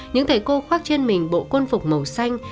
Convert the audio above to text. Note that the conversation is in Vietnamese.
những thầy cô khoác trên mình bộ quân phục màu xanh